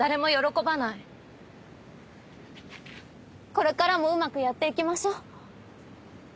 これからもうまくやっていきましょう。